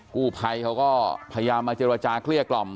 กู้ภัยเขาก็พยายามมาเจรจาเกลี้ยกล่อม